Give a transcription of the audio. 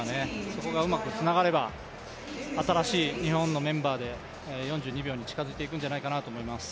そこがうまくつながれば新しい日本のメンバーで４２秒に近づいていくんじゃないかなと思います。